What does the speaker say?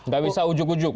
gak bisa ujuk ujuk